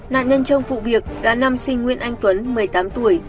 nạn nhân trong vụ việc đã nam sinh nguyên anh tuấn một mươi tám tuổi